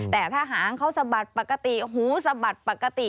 แต่ถ้าหางเขาสะบัดปกติหูสะบัดปกติ